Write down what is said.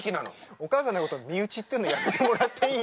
お母さんのこと身内って言うのやめてもらっていい？